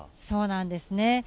そうなんですね。